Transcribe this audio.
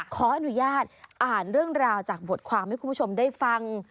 ขออนุญาตอ่านเรื่องราวจากบทความให้คุณผู้ชมได้ฟัง